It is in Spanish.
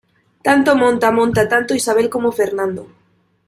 Tanto monta, monta tanto, Isabel como Fernando